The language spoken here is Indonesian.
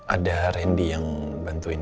ada rendy yang bantuin